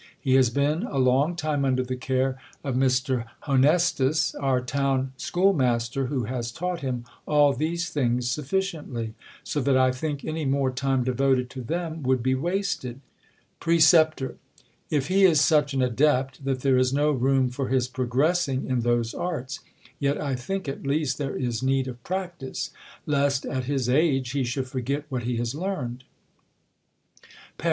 He has been a long time under the care of Mr. Ilonestus, our town schoolmas ter, who has taught him all these things sutTiciently. So that I think any more time devoted to them would be wasted. Precep, If he is such an adept that there is no room for his progressing in those arts ; yet I think, at least, there is need of practice, lest, at his age, he should forget what he has learned. Par.